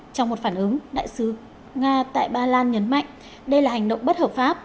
trong một phản ứng đại sứ nga tại ba lan nhấn mạnh đây là hành động bất hợp pháp